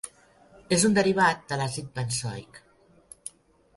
És un derivat de l'àcid benzoic.